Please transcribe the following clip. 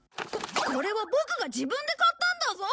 ここれはボクが自分で買ったんだぞ。